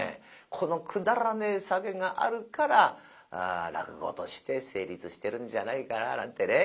このくだらねえサゲがあるから落語として成立してるんじゃないかななんてね